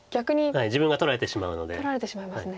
自分が取られてしまうので。